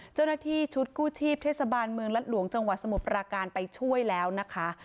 เจ้าหน้าที่ชุดกู้ชีพเทศบาลเมืองรัฐหลวงจังหวัดสมุทรปราการไปช่วยแล้วนะคะ